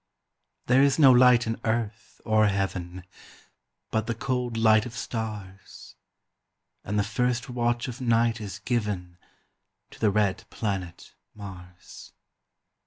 There is no light in earth or heaven, But the cold light of stars; And the first watch of night is given To the red planet Mars.